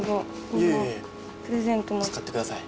使ってください。